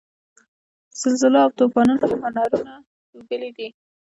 زلزلو او توپانونو یې هنرونه توږلي دي.